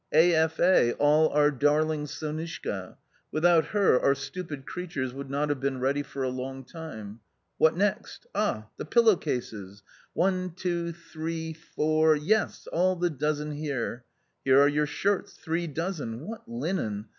A. F. A., all our darling Sonushka. Without her our stupid creatures would not have been ready for a long time. What next ? Ah, the pillow cases. One, two, three, four — yes, all the dozen here. Here are your shirts, three dozen — what linen